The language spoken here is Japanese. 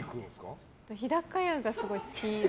日高屋がすごい好きで。